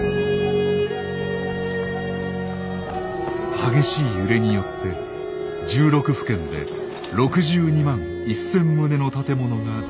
激しい揺れによって１６府県で６２万１，０００棟の建物が全壊。